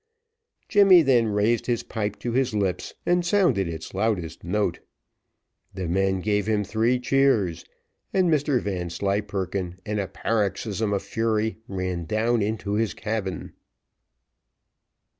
Jemmy then raised his pipe to his lips, and sounded its loudest note: the men gave him three cheers, and Mr Vanslyperken in a paroxysm of fury, ran down into his cabin.